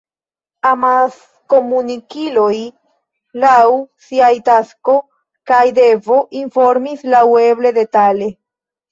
Amaskomunikiloj, laŭ siaj tasko kaj devo, informis laŭeble detale.